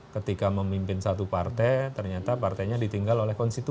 ketika memimpin satu partai ternyata partainya ditinggal oleh konstituen